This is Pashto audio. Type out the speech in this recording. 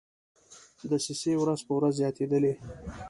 دسیسې ورځ په ورځ زیاتېدلې.